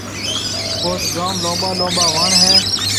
اوٿ جوم لُمٻا لُمٻا وڻ هيَ۔